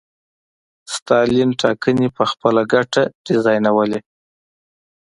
ستالین ټاکنې په خپله ګټه ډیزاینولې.